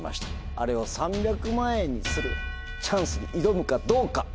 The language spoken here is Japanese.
あれを３００万円にするチャンスに挑むかどうか。